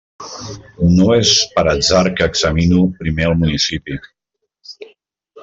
No és per atzar que examino primer el municipi.